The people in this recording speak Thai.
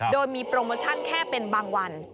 โดยมีโปรโมชั่นแค่เป็นบางวัน